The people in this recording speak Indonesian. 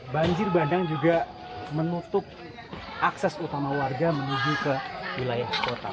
banjir bandang juga menutup akses utama warga menuju ke wilayah kota